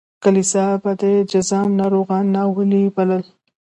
کلیسا به د جذام ناروغان ناولي بلل.